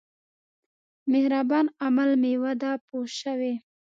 مهربان عمل مېوه ده پوه شوې!.